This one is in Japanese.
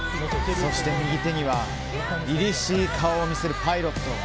そして右手には凛々しい顔を見せるパイロット。